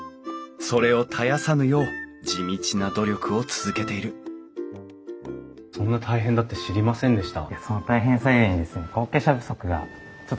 それを絶やさぬよう地道な努力を続けているそんな大変だって知りませんでした。